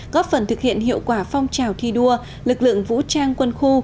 góp phần thực hiện hiệu quả phong trào thi đua lực lượng vũ trang quân khu